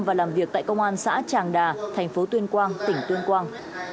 và làm việc tại công an xã tràng đà thành phố tuyên quang tỉnh tuyên quang